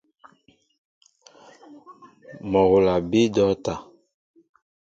Mol hula a bii docta.